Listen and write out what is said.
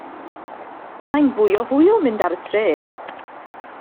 Mae'n fwy o hwyl mynd ar y trên.